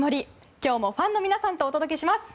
今日もファンの皆さんとお届けします。